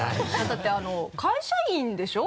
だって会社員でしょ？